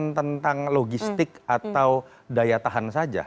bukan tentang logistik atau daya tahan saja